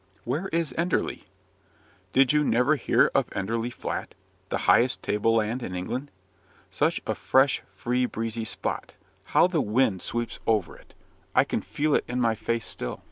"Where is Enderley?" "Did you never hear of Enderley Flat, the highest tableland in England? Such a fresh, free, breezy spot how the wind sweeps over it! I can feel it in my face still."